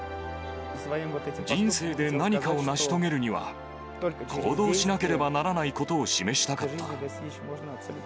人生で何かを成し遂げるには、行動しなければならないことを示したかった。